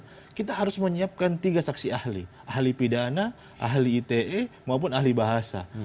karena kita harus menyiapkan tiga saksi ahli ahli pidana ahli ite maupun ahli bahasa